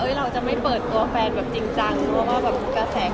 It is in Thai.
เราจะไม่เปิดตัวแฟนแบบจริงจัง